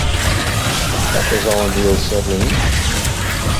Dat is al in hiel set lyn.